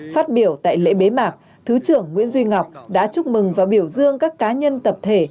phát biểu tại lễ bế mạc thứ trưởng nguyễn duy ngọc đã chúc mừng và biểu dương các cá nhân tập thể